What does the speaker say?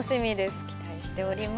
期待しております。